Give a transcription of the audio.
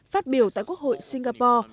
phát biểu tại quốc hội singapore